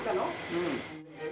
うん。